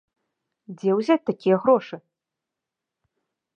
Дзе ўзяць такія грошы?